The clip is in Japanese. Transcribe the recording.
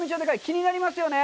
気になります。